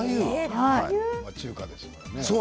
中華ですものね。